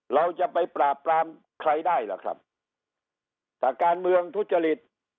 เราจะไปปราบปรามใครได้ล่ะครับถ้าการเมืองทุจริต